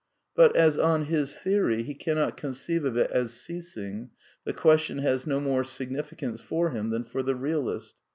But as, on his theory, he cannot conceive of it as ceasing, the question has no more significance for him than for the realist.